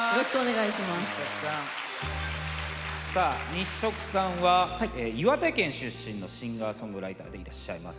日食さんは岩手県出身のシンガーソングライターでいらっしゃいます。